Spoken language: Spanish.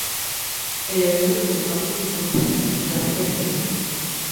El evento tuvo cambios importantes en su tarjeta original.